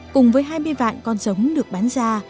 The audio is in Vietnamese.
cùng với hai mươi vạn con giống được bán ra